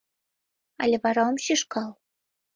Але вара ом шÿшкал?